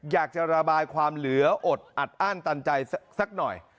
อยากจะระบายความเหลืออดอัดอ้านตันใจสักหน่อย